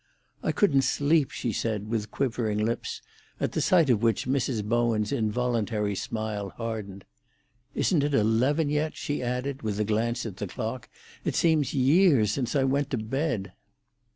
"I couldn't sleep," she said, with quivering lips, at the sight of which Mrs. Bowen's involuntary smile hardened. "Isn't it eleven yet?" she added, with a glance at the clock. "It seems years since I went to bed."